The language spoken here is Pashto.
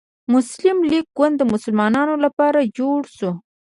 مسلم لیګ ګوند د مسلمانانو لپاره جوړ شو.